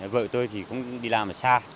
vợ tôi thì cũng đi làm ở xa